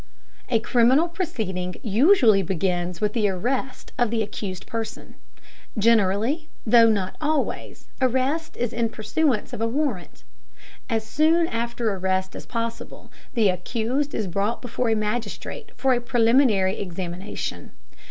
A criminal proceeding usually begins with the arrest of the accused person. Generally, though not always, arrest is in pursuance of a warrant. As soon after arrest as possible, the accused is brought before a magistrate for a preliminary examination.